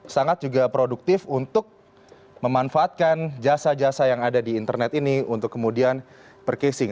sangat juga produktif untuk memanfaatkan jasa jasa yang ada di internet ini untuk kemudian percasing